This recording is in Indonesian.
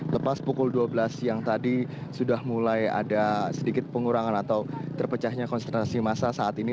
lepas pukul dua belas siang tadi sudah mulai ada sedikit pengurangan atau terpecahnya konsentrasi massa saat ini